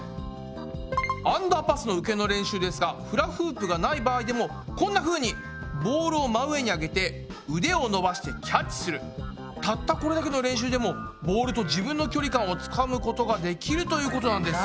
アンダーパスの受けの練習ですがフラフープがない場合でもこんなふうにたったこれだけの練習でもボールと自分の距離感をつかむことができるということなんです。